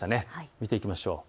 見ていきましょう。